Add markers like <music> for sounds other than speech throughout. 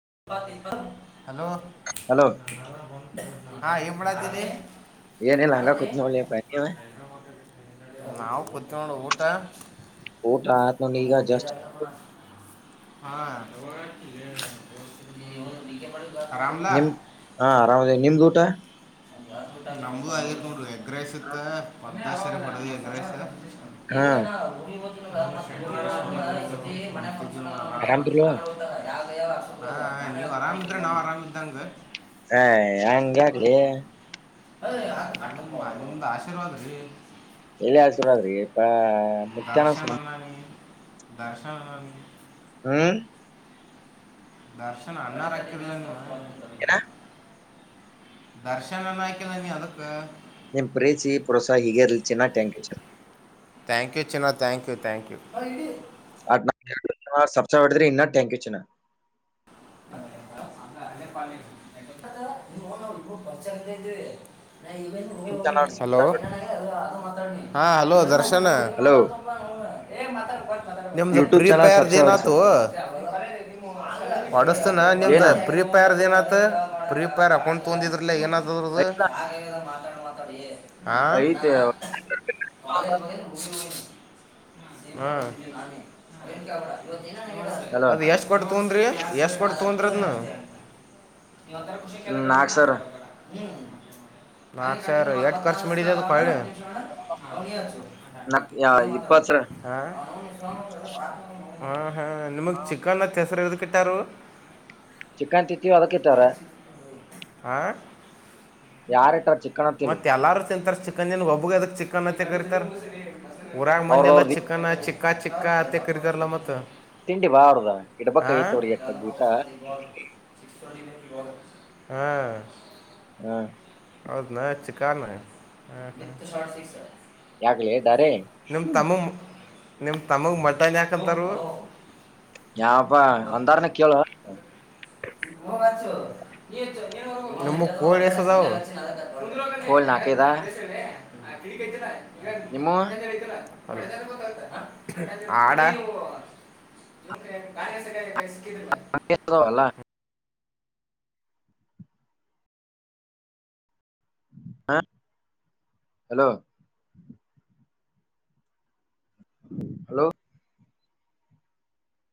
<unintelligible> Hello hello ಹ ಏನ್ ಮಾಡ್ತೀಡಿ ಎನ್ನಿಲ ಹಂಗಾ ಕುಂತಿನ್ ನೋಡಲೇ ಪಾ ನೀವ ನಾವು ಕುಂತೇವ್ ನೋಡ್ ಊಟ ಊಟ ಆತ್ಮನಗಾ ಜಸ್ಟ್. ಹಾ. <inaudible> ನಿಮ್ದ ಹಾ ಆರಾಮದೇ ನಿಮ್ದು ಊಟ. ನಂಬೂ ಐರನೂರು ರೂಾಯು <unintelligible> ಗ್ರಹಿಸುತ್ತ. ಆಾಶ್ಚರಪಡದು ಎಂತ ವಯಸ್ಸ. ಹಾ ಇಗಣ ಒ <unintelligible> ಹ ಮನೆ. ಆರಾಮದಲ್ಲವಾ. ಹ ನೀವ್ ಆರಾಮಿದ್ರೆ ನಾವ್ ಆರಾಮ್ದಂಗ. ಹಾ ನಂಗ್ಯಾಕೆ ಲಿ. ಯಣ ಅೊಂದು ಆಶೀರ್ವಾದ ರೀ <unintelligible> ಎಲ್ಲಿ ಆಳ್ ಚನಾದ್ರಿ ಇಪ <unintelligible> ದರ್ಶನ್ ಅನ್ನ ನೀ. ದಾಶ <unintelligible> ಹ್ಮ. ದರ್ಶನ್ ಅ್ಣ ರಕ್ಕಲ್ಲ. ಏನಾ. ದರ್ಶನನ್ನ ಆಕಲ್ಲ ನೀ ಅದಕ್ಕೆ. ನಿಮ್ ಪ್ರೀತಿ ಪ್ರುೋಸಾ ಹೀಗರ್ಲ್ಲಿ ಚಿನ್ನಾಗ ಟ್ಯಾಂಕಚರ್. ತ್ಯಾಂಕ್ ಯು ಚನ್ನ ಥಾಂಕ್ ಯು ಥಾಂಕ್ ಯು. ಆಸ ಬ ಇನ್ನ ಟ್ಯಾಂಕ್ ಯ ಚನ. ಯೂಟ್ಯೂಬ್ ಚಾನಲ್ ಇ. ಹಲೋ. ಸಬ್ಸ್ಕ್ರೈಬ್ ಮಾಡ್ ಹಾಂ ಹಲೋ ದರ್ಶ್. ಚನ್ನ ಹಲೋ <unintelligible> ಎ ಮಾತಾ ಗ. ನಿಮ್ದು ಯೂಟ್ಯೂಬ್ ಚಾನಲ್ ಪ್ರೀಪೇರ್ದ ಸಬ್ಸ್ಕ್ರೈಬ್ ಹೊಡ್ಸ ಏನತು. ಒಡಸ್ತಿನ ನಿಮ್ದ ಏನ ಪ್ರೀಪರ್ ಏನತ ಪ್ರೀ. ಕೊಂಡ ತೋಿದಿಲ್ಲ ಏಾದ. ಎತ. ಮಾತಡ. ಆ. ಹ್ಮ್. ಹಲೋ ಅದ ಎಷ್ಟು ಕೊಟ್ಟ. ತೊಂದ್ರ ಎಷ್ಟಪಟ್ಟ ತೊಂದ್ರದ ನ. ಇರ ಕುಷಿಲ ಬ ನಾಕ್ ನ ಸರ್ ಸಾರ ಬರ ನಾಕ್ ಸರ್ ಎಷ್ಟು ಖರ್ಚು ಮಾಡಿಡಿದೆ ಅದು ಕೊಿ ನ ಯ ಇಪ್ಪ ಸರ ಹಾ ಹ್ಮ ಹಾ ನಿಮ್ಗ್ ಚಿಕನ್ ಹೆಸರ ಇ ಪಿಟ್ಟರುು ಚಿಿಕನ್ ತಿತ್ತೀವ ಅದಕ್ ಇತ್ತಾರ ಆ ಯಾರಟಾ ಚಕ್ಕಣತ್ತ ತಿಂತಾರೆ ಚಿಕನ್ ಏನ್ ಒಬ್ಬು ಅದಕ್ ಚಿಕನ್ತ್ತ ಕರಿತಾರೆ ವೂರಾಗ ಮಂದಿರ ಅವ್ರದ ಮ ಅವ್ರದ ಚ ಚಿಕ್ಕ ಚಿಕ್ಕತ್ತ ಕತಾರಲ್ಲ ಮತ್ತ ತಿಂಡಿ ಬಾ ಅವಡದ ಇಡಬೇಕ ಎತ್ರ ಊಟ ಹ್ಮ್ ಹಾ ಹೌದ್ ನ ಚಿಕನು ಯಾಗಲೇ ಇದ್ದಾರೆ ಹ್ಮ ನಿಮ್ಮ ತಮಗೆ ಮಟನ್ ಯಾಕಂತಾರ ಯಾವಪಾ ಅಂದಾರನ ಕೇಳುವ ಮ್ಮ ಕೋಳಿ ಎಸದಾವ ಒಂದುಲೋ ಕೋಲ್ ನಾಲ್ಕೈದ ನಾಸನೆ ನಾಕಡಿ ಕೆ ರ ಈ ನಿಮ್ಮ ಅಖಂದಯತಲ್ಲಾ ಷ್ಟಲ್ಲ ಹ hello hello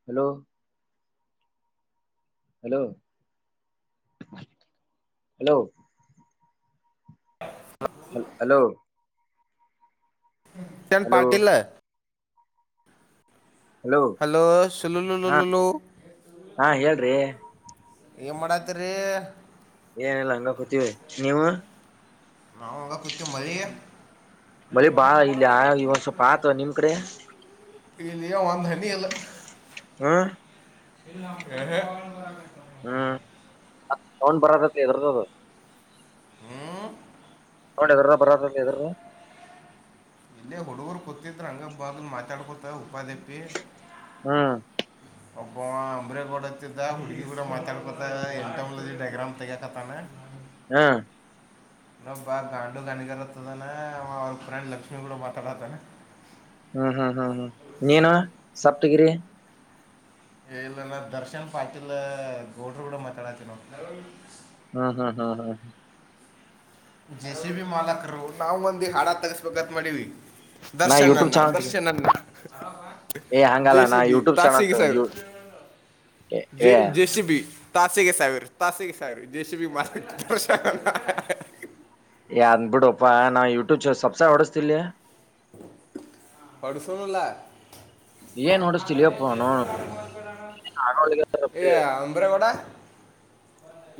hello hello hello ಹ ಹಲೋ ಚಂಡ ಹಲೋ ಪಾಟೀಲ್ಲ್ಲ ಹಲೋ ಸಲು ಹಾ ಲುಲು ಹಾ ಹೇಳ್ರಿ ಈಏ ಮಾಡತ್ರಿ ಏನಲ್ಲ ಹಂಗ ಕೂತಿೀವಿ ನೀವು <unintelligible> ಮಲಿ ಬಾಳ ಇಲ್ಲಿ ಆ ಇವಂದ್ ಸ್ವಲ್ಪ ಆತ ನಿಮ್ ಕಡೆ ಇಲ್ಲಿ ಒಂದು ಹನಿ ಇಲ್ಲ ಹಾ ಇಲ್ಲೇರೆ ಹ್ಮ್ ತಗೊಂಡ್ ಬರದತ್ ಎದ್ರದು ಹ್ಮ್ <unintelligible> ಇಲ್ಲೇ ಹುಡುಗರು ಕತಿದ್ರ ಹಂಗಬಾಗ ಮಾತಾಡ್ಕೊತಾರ ಉಪಾಧಿಪಿ ಹ್ಮ್ ಒಬ್ಬ ಅಂಬ್ರ ಗೋಡತ್ತಿದ್ದ ಹುಡುಗಿ ಕೂಡ ಮಾತಾಡ್ಕೊತ ಎಂಟ ಡಗ್ರಾಮ್ ತೆಗಕತ್ತಾನೆ ಹಾ <unintelligible> ಅವ್ನ್ ಫ್ರೆಂಡ್ ಲಕ್ಷ್ಮಿ ಕುಡ ಮಾತಾಡತಾನ ಹ್ಮ್ ಹ್ಮ್ ಹ್ಮ್ ಹ್ಮ್ ನೀನ ಸಪ್ತಗಿರಿ ಇಲ್ ಇಲ್ಲ ದರ್ಶನ್ ಪಾಟೀಲ್ ಗೌಡ್ರು ಕೂಡ ಮಾತಾಡತಿ ನೋಡ್ ಹ್ಮ್ ಹ್ಮ್ ಹ್ಮ್ ಹ್ಮ್ ಜೆ ಸಿ ಬಿ ಮಾಲಕರು ನಾವು ಮಂದಿ ಹಾಡ ತಗಸ್ಬೇಕಗತ್ ಮಾಡೀವಿ ನಾ ದರ್ಶನ್ಣ ದರ್ಶನ್ಣ <unintelligible> ಹೇ ಹಂಗಲ್ಲ ನಾ ಯೂಟ್ಯೂಬ್ ಚಾನಲ್ <inaudible> ಹೇ ತಾಸೆಗೆ ಸಾವಿರ ತಾಸೆಗೆ ಸಾವಿರ ಜೆ ಸಿ ಬಿ ಮಾಡ <unintelligible> ಹೇ ಅಂದ್ಬಿಡುಪ್ಪಾ ನಾ ಯೂಟ್ಯೂಬ್ ಸುಬ್ಸ್ಕ್ರಿಬ್ ಹೊಡಿಸ್ತಿ ಇಲ್ಲ ಹೊಡ್ಸೋಣಲ್ಲ ಏನ್ ಹೊಡಸ್ತಿಲಿಯಪ್ಪ ಹೇ ಅಂಬ್ರೆ ಗೌಡ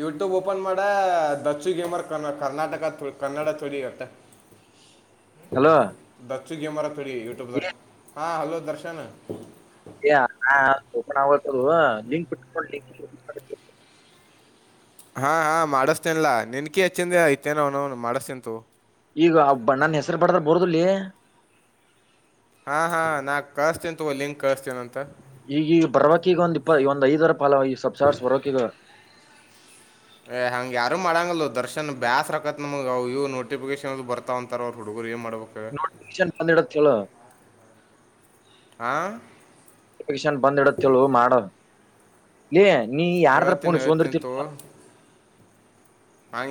ಯೂಟ್ಯೂಬ್ ಓಪನ್ ಮಾಡ ದಚ್ಚು ಗೇಮರ್ ಕರ್ನಾಟಕ ಕನ್ನಡ ಚರಿಗತ್ತ ಹಲೋ ದಚ್ಚು ಗೇಮರ್ ಯೂಟ್ಯೂಬ್ದ ಹಾ ಹಲೋ ದರ್ಶನ್ <unintelligible> <unintelligible> ಹಾ ಹಾ ಮಾಡಿಸ್ತೇನ್ಲ್ ನಿಂಕಿನ ಹೆಚ್ಚನ್ ಐತೇನ <unintelligible> ಮಾಡಿಸ್ತೀನಿ ತಗೋ ಈಗ ಬಣ್ಣನ ಹೆಸರು ಬಡ್ರ ಬರದಲ್ಲಿ ಹಾ ಹಾ ನನ್ ಕಳಸ್ತೇನಿ ತಗೋ ಲಿಂಕ್ ಕಳಸ್ತೇನಿ ಅಂತ ಈಗೀಗ ಬರ್ಬೆಕ್ ಈಗ ಒಂದ್ ಇಪ್ಪ ಒಂದ ಐದರ ಪಾಲ ಈ ಸಬ್ಸ್ಕ್ರೈಬ್ ಬರಕೀಗ ಹೇ ಹಂಗ ಯಾರು ಮಾಡಂಗಲ್ಲ ದರ್ಶನ್ ಬ್ಯಾಸ್ ರಕತ್ ನಮ್ಗವು ಇವ ನೋಟಿಫಿಕೇಶನ್ ಬರ್ತಾವ ಅಂತಾರ ಅವ್ರ ಹುಡುಗರು ಏನ್ ಮಾಡತ ನೋಟಿಫಿಕೇಶನ್ ಬಂದ್ ಇಡು ಅಂತೇಳು ಹಾಂ ನೋಟಿಫಿಕೇಶನ್ ಬಂದ್ ಇದಂತ ಹೇಳು ಮಾಡು ಹೇಯ್ ನೀ ಯಾರ ತರ ಪಣ ಹೇಳ್ತೀನಿ ಹೇಳ್ತೀನಿ ಸುಂದರತ ತಗೋ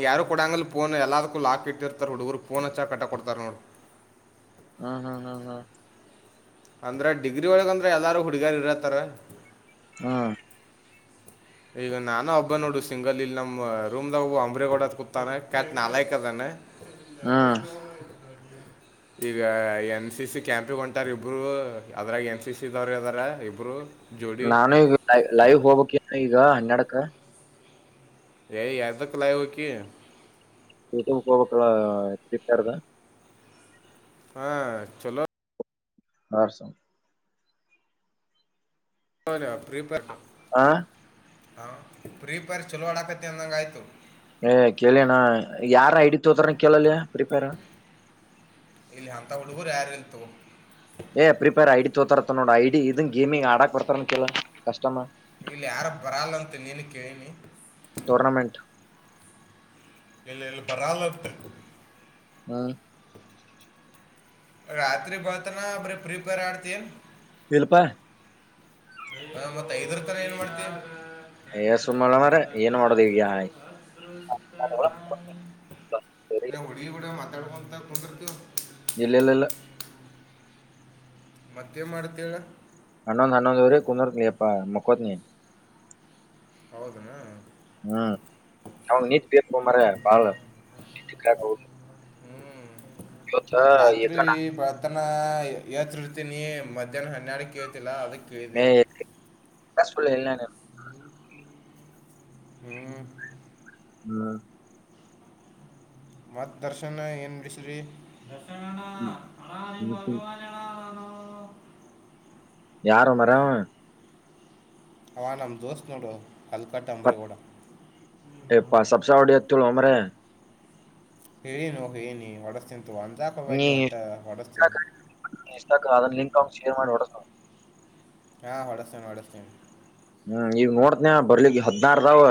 ಯಾರು ಕೊಡಂಗ ಫೋನ್ ಎಲ್ಲಾದಕ್ಕೂ ಲಾಕ್ ಇಟ್ಟಿರ್ತಾರೆ ನೋಡುಊರು ಫೋನ್ ಹ ಕಟ್ಟ ಕೊಡ್ತಾರೆ ನೋಡು ಹ್ಮ ಹ್ಮ್ ಹ್ಮ್ ಹಾ ಅಂದ್ರೆ ಡಿಗ್ರಿ ಒಳಗ ಅಂದ್ರೆ ಎಲ್ಲಾರೂ ಹುಡುಗಾರಿ ಇರತ್ತಾರ ಹಾ ಈಗ ನಾನು ಹಬ್ಬ ನೋಡು ಸಿಂಗಲ್ ಇಲ್ಲಿ ನಮ್ಮ್ ರೂಮ್ದಾಗ ಅಂಬ್ರಗೋಡದ ಕೂತಾನೆ ಕ್ಯಾಟ್ ನಾಾಯಕ್ ಅದಾನೆ ಹ್ಮ ಈಗ ಎನ್ ಸಿ ಸಿ ಕ್ಯಾಂಪಿ ಹೊಂಟಾರ ಇಬ್ಬರು ಅದ್ರಾಗ ಎನ್ ಸಿ ಸಿಿದವ್ರ ಇದದಾರ ಇಬ್ರು ಜೋಡಿ ನಾನು ಈ ಲೈವ್ ಹೋಗಕ್ಕೆ ಈಗ ಹನ್ನಡಕ ಯ ಯದಕಲಾಯ ಹಕ ಟುಂಬ ಹೋಬಕ್ಳಕ್ಕಾರದ ಹಾ ಚಲೋ ಹಾರಸ ಹೌನ್ ಪ್ರೀಪಕ್ ಹ ಹ ಪ್ರೀಪೇರ್ ಚಲೋವಾಡಾಕತಿ ಅಂದಂಗಗೆ ಆಯ್ತು ಏ ಕೇಳಣ ಯಾರ ಹಿಡಿತ ಹೋತಾರನ ಕೇಳಲಯ ಪ್ರಿಪೇರ್ ತ್ತ ನೋ ಐಡಿ ಇದನ್ ಗೇಮಿಂಗ್ ಆಡಕ್ ಕೊಡ್ತಾರ ಕಲ ಕಸ್ಮ ಇಲ್ಲ ಯಾರ ಬರಲ್ಲ ಅಂತ ನೀನು ಕೇಳಿನಿ ಟೂರ್ನಮೆಂಟ್ ಇಲ್ಲಿ ಎಲ್ಲಿ ಬರಾಲಟ್ ಹ್ಮ್ ರಾತ್ರಿ ಬಳ್ತನ ಬರಿ ಪ್ರಿಪೇರ್ ಆಡ್ತಿ ಏನ್ ಇಲ್ಪ ಹಾ ಮತ್ತತ್ ಐದರ ತರ ಏನ್ ಮಾಡ್ತಿೀವಿ ಯ ಸುಮ್ಮಳ ಮ್ರ ಏನ್ ಮಾಡದವ್ ತಡುವಂಥ ತೊಂದರೆ್ದು ಇಲ್ಲ ಇಲ್ಲ ಇಲ್ಲ ಮತ್ತೇನ್ ಮಾಡ್ತೇವ ಹನೊಂದ್ ಹನ್ನಂದುರೆ ಕುನರ್ ನಪ ಮಕೊತ್ ನೀಿ ಹೌದುನಾ ಹ್ಮ್ ಹ ನೀಚ ಬತ ಮ ಬಳ ಮತ್ತ ರತ್ರಿ ನಾ- ಬತಾನ ಯತ್ತುರ್ತೀನಿ ಮಧ್ಯಾಹ್ನ ಹನ್ನೆಡಕ್ಕೆ ಕೇಳ್ತಿಲ್ಲ ಅವದಕ್ಕೆ ಮ ಕಕ ಇ ಹ್ಮ್ ಹ್ಮ್ ಮತ್ ದರ್ಶನ್ ಏನ್ ಬಿಡಿಸ್ರಿ ಹ್ಮ್ ಹ್ಮ <inaudible> ಯಾರೋ ಮಾರಾಯ ಅವ. ಅವ ನಮ್ ದೋಸ್ತ್ ನೋಡೋ. ಎಪ್ಪ ಸಬ್ಸಾವಡಿಯ ಅಮ್ರ <inaudible> ಹೇಳಿನೋ ಹೇಳಿನಿ ಒಡಸ್ತೇ. ಇದು ಅಂಜಾಕೋಬ್ಯಾಡ್ ಒಟ್ಟ ನೀ ಹೊಡಸ್ತೀನ. ಶೀರಾನ ಇಡ <inaudible> ಹಾ ಹೊಡಸ್ತನೆ ಹೊಡಸ್ತನೆ. ಹ್ಮ್ ಈವ ನೋಡ್ತನಯ ಬರ್ಲಿಕ್ಕ ಹದ್ನಾರದಾವ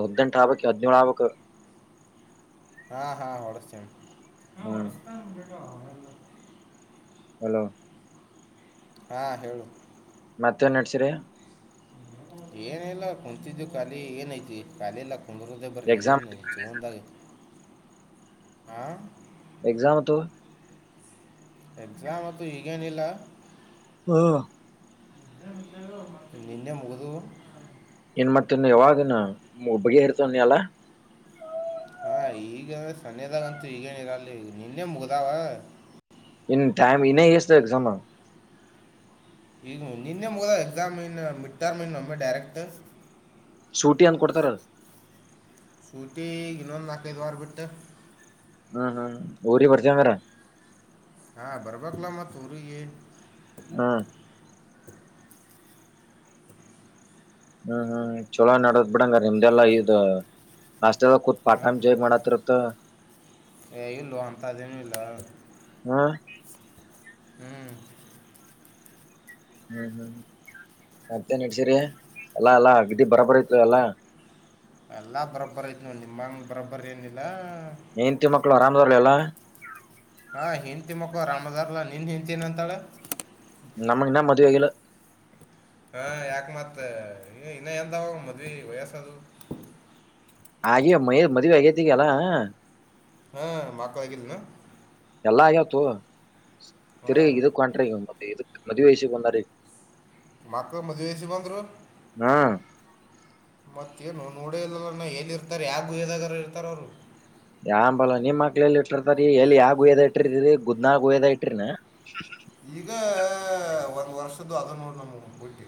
ಹದ್ನೆಂಟ ಆಗ್ಕ್ ಹದಿನೇಳ್ ಆಗ್ಕ್. ಹಾ ಹಾ ಹೊಡಸ್ತನ್. ಹ್ಮ್ ಹಲೋ. ಹಾ ಹೇಳು. ಮತ್ತೇನ್ ನಡ್ಸಿರಿ. ಏನಿಲ್ಲ ಕುಂತಿದು ಕಾಲಿ ಏನೈತಿ ಕಾಲಿಲಾ. ಕುಂದ್ರುದ ಬರೇ ಎಕ್ಸಾಮ್ ಜೀವನದಾಗ. ಹಾ. ಎಕ್ಸಾಮಿತ್ತು. ಎಕ್ಸಾಮ್ ಅತ್ತು ಈಗೇನಿಲ್ಲ. ಹ್ಮ್. ನಿನ್ನೆ ಮುಗದು. ಇನ್ ಮತ್ತ ಇನ್ನ ಯಾವಾಗಿನ್ ಒಬ್ ಬಗಿಹರ್ತಿವನ್ ಎಲ್ಲಾ. ಹಾ ಈಗ ಸನ್ನೆದಾಗಂತೂ ಈಗೇನಿರಲ್ಲ ನಿನ್ನೆ ಮುಗ್ದಾವ. ಇನ್ ಟೈಮ್ ಇನ್ನೇ ಎಷ್ಟದವ ಎಕ್ಸಾಮ. ಈಗ ನಿನ್ನೆ ಮುಗ್ದಾವ ಎಕ್ಸಾಮ್ ಇನ್ ಮಿಡ್ ಟರ್ಮ್ ಇನ್ನ ಒಮ್ಮೆ ಡೈರೆಕ್ಟ್. ಸೂಟಿ ಎಂದ ಕೊಡ್ತಾರ. ಸೂಟಿ ಈಗ ಇನ್ನೊಂದ್ ನಾಲ್ಕೈದವಾರ ಬಿಟ್ಟ. ಹ್ಮ್ ಹ್ಮ್ ಊರಿಗ ಬರ್ತಿ ಹಂಗರ. ಹಾ ಬರ್ಬಕ್ಲ ಮತ್ ಊರಿಗಿ. ಹ್ಮ. <inaudible> ಹ್ಮ್ ಹ್ಮ್ ಚಲೋ ನಡದದ್ ಬಿಡಂಗ ನಿಮ್ದೆಲ್ಲಾ ಇದ. ಹಾಸ್ಟೆಲ್ದಗ್ ಕುತ್ ಹಾಂ ಪಾರ್ಟೈಮ್ ಜಾಬ್ ಮಾಡತೀರತ್ತ. ಏ ಇಲ್ಲೋ ಹಂತಾದೇನು ಇಲ್ಲಾ. ಹ್ಮ್ ಹ್ಮ್. ಹ್ಮ್ ಹ್ಮ್ ಮತ್ತೇನಡ್ಸಿರಿ ಏಲ್ಲಾ ಏಲ್ಲಾ ಅಗ್ದಿ ಬರಬರ ಆಯ್ತಿಲೊ ಏಲ್ಲಾ. ಎಲ್ಲಾ ಬರಬ್ಬರ್ ಐತ್ ನೋಡ್ ನಿಮ್ಮಂಗ ಬರಬ್ಬರ್ ಏನಿಲ್ಲಾ. ಹೆಂತಿ ಮಕ್ಕಳು ಅರಾಮದಾರಲ ಎಲ್ಲಾ. ಹಾ ಹೆಂತಿ ಮಕ್ಳು ಅರಾಮದಾರ್ಲ್ಲಾ ನಿನ್ ಹೆಂತಿ ಏನ್ ಅಂತಾಳ. ನಮಗ್ ಇನ್ನ <inaudible> ಹಾ ಯಾಕ್ ಮತ್ ಇನ್ನ ಎಂದಾಗವ ಮದ್ವೆ ವಯಸ್ಸ ಅದು. ಆಗೆ ಮಯ ಮದಿವ ಆಗತಿಗೆಲ್ಲಾ. ಹಾ ಮಕ್ಳ ಆಗಿಲ್ಲ ನ. ಎಲ್ಲಾ ಆಗ್ಯತ್ತು. ಹಾ ತಿರಿಗಿ ಇದಕ ಹೊಂಟ್ರಿಗ. ಇದುಕ ಮದವಿ ವಿಷಕ್ ಬಂದರ್ ಈಗ ಮಕ್ಕಳ ಮದುವಿ ವಿಷಯಕ್ಕೆ ಬಂದ್ರು ಹ್ಮ್ ಮತ್ತೇನು ನೋಡ ಇಲ್ಲ ಲಾ ನಾ ಎಲ್ಲಿ ಇರ್ತಾರೆ ಯಾವ ಗುಹೆ ನಾಗ್ ಇರ್ತಾರ ಅವರು ಯಾಂಬಲ ನಿಮ ಮಕ್ಳ ಎಲ್ಲಿ ಇಟ್ಟಿರ್ತಾರ ಎಲ್ಲಿ ಯಾ ಗುಹೆ ನಾಗ್ ಇಟ್ಟಿರ್ತೀರಿ ಗುಡ್ನಾಳ ಗುಹೆದಾಗೇನಾ ಈಗ ಒಂದ ವರ್ಷದ್ದು ಆಧುವ ನೋಡ ನಮೂವ ಹುಟ್ಟಿ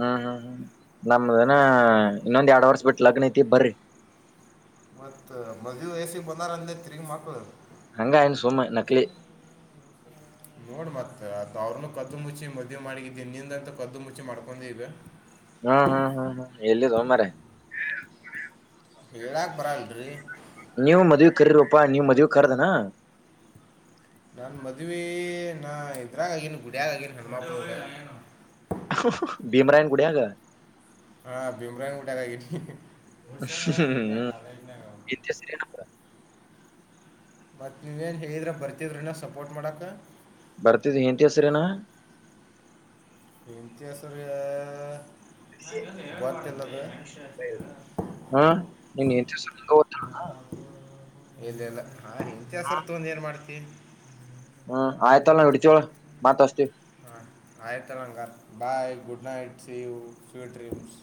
ಹ್ಮ್ ಹ್ಮ್ ಹ್ಮ್ ಇನ್ನೊಂದ್ ಎರಡ್ ವರ್ಷ ಬಿಟ್ಟು ಲಗ್ನ ಐತಿ ಬರ್ರಿ ಮತ್ತ ಮಧುವಿ ವಯಸಿಗ ಬಂದಾರ್ ಅಂದಿ ತಿರುಗಿ ಮಕ್ಳು ಹಂಗ ಅನ್ನಿ ಸುಮ್ಮ ನಕಲಿ ಅ ಅವ್ರನು ಕದ್ದು ಮುಚ್ಚಿ ಮದುವೆ ಮಾಡಿಗಿದ್ದಿ ನಿಂದಂತ ಕದ್ದು ಮುಚ್ಚಿ ಮಾಡಿಕೊಂಡಿ ಈಗ್ ಹ್ಮ್ ಹ್ಮ್ ಹ್ಮ್ ಹ್ಮ್ ಎಲೀಡೊ ಮಾರಾಯ ಹೇಳಕ ಬರಂಗಿಲ್ಲರಿ ನೀವು ಮಧುವಿ ಗ ಕರಿೀರಪ್ಪಾ ನೀವು ಮದ್ವೆೆಗ ಕರಡ್ರಏನ್ ನಾನ್ ಮದ್ವಿ ನಾ ಇದ್ರಾಗ ಆಗಿನಿ ಗುಡ್ಯಾಗ ಆಗಿನಿ ಹನುಮಪ್ಪ ಗುಡಿಯಾಗ ಭೀಮರಾಯನ್ ಗುಡ್ಯಾಗ ಹಾ ಭೀಮರಾಯನ್ ಗುಡ್ಯಾಗ ಆಗಿನಿ ಹುಡ್ಸೋಣ ಇಲ್ಲೇ ಹ್ಮ್ಮ ಕಾಲೇಜ್ನಾಗ ಮ <unintelligible> ಮತ್ತ ನೀವೇನು ಹೇಳಿದ್ರೆ ಬರ್ತಿದ್ರನ ಸಪೋರ್ಟ್ ಮಾಡಾಕ ಬರ್ತೀನಿ ಹೆಂಡ್ತಿ ಹೆಸರ ಎನ್ ಹೆಂಡ್ತಿ ಹೆಸರ ಹ್ಮ ನೀನ್ ಹೆಂಡ್ತಿರಹೆಸರ ನಿಂಗ ಗೊತ್ತಿಲ್ಲ ಏನ್ ಇಲ್ಲ ಇಲಾ ಆ ಹೆಂಡ್ತಿ ಹೆಸರ ತೊಗೊಂಡ ಏನ್ ಮಾಡ್ತಿ ಹ್ಮ್ ಆಯ್ತ್ ಹೇಳು ನಾವ್ ಇಡ್ತೀವಿ ಹೇಳ್ ಮತ್ತು ಹಚ್ತೀವಿ ಹಾ ಆಯ್ತ್ ಹೇಳ್ ಹಂಗರ್ bye good night see you sweet dreams